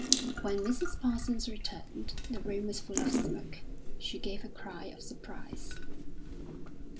When Mrs. Parsons returned, the room was full of smoke; she gave a cry of surprise.